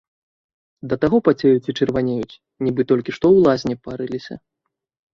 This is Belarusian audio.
Да таго пацеюць і чырванеюць, нібы толькі што ў лазні парыліся.